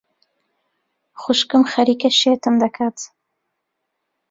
خوشکم خەریکە شێتم دەکات.